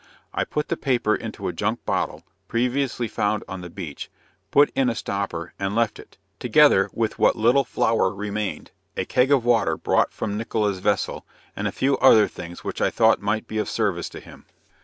I put the paper into a junk bottle, previously found on the beach, put in a stopper, and left it, together with what little flour remained, a keg of water brought from Nickola's vessel, and a few other things which I thought might be of service to him.